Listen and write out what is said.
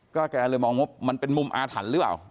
แกเลยมองว่ามันเป็นมุมอาถรรพ์หรือเปล่า